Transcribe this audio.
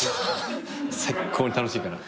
最高に楽しいから。